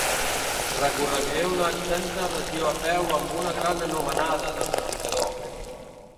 Recorregué una extensa regió a peu amb una gran anomenada de predicador.